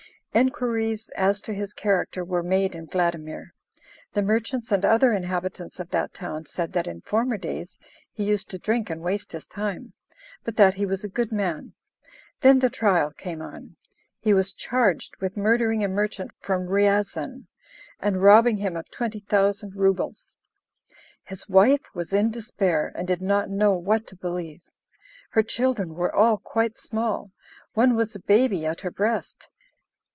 Enquiries as to his character were made in Vladimir. The merchants and other inhabitants of that town said that in former days he used to drink and waste his time, but that he was a good man. Then the trial came on: he was charged with murdering a merchant from Ryazan, and robbing him of twenty thousand rubles. His wife was in despair, and did not know what to believe. Her children were all quite small; one was a baby at her breast.